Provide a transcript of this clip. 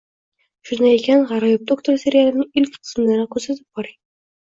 Shunday ekan «G’aroyib doktor» serialini ilk qismidanok kuzatib boring.